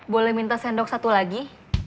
boleh minta sendok satu lagi